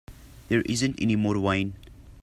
There isn't any more wine.